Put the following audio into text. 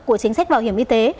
của chính sách bảo hiểm y tế